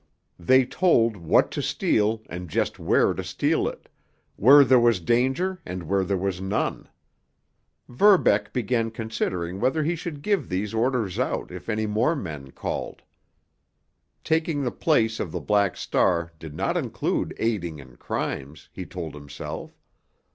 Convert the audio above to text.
They told what to steal and just where to steal it, where there was danger and where there was none. Verbeck began considering whether he should give these orders out if any more men called. Taking the place of the Black Star did not include aiding in crimes, he told himself.